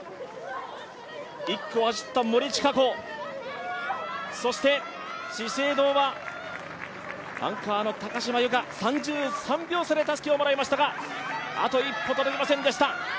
１区を走った森智香子、そして資生堂はアンカ−の高島由香、３３秒差でたすきをもらいましたが、あと一歩届きませんでした。